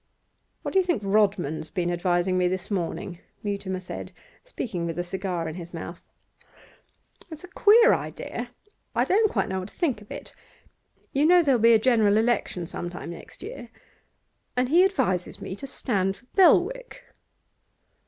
'What do you think Rodman's been advising me this morning?' Mutimer said, speaking with a cigar in his mouth. 'It's a queer idea; I don't quite know what to think of it. You know there'll be a general election some time next year, and he advises me to stand for Belwick.